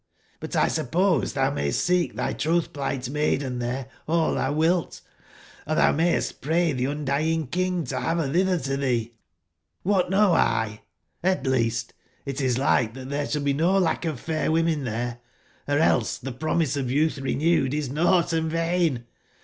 But X suppose tbat tbou mayst seek tby trotb/pligbt maiden tbere all tbou wilt. Or tbou mayst pray tbe Qndying King to bave ber tbitber to tbee. Qlbat knowX? Ht least, it is like tbat tbere sball beno lack of fair women tberc: or else tbe promise of youtb renewed is nougbt and vain.